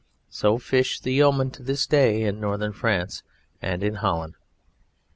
So fish the yeomen to this day in Northern France and in Holland.